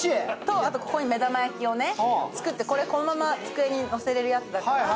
ここに目玉焼きを作ってこれこのまま机の上にのせられるやつだから。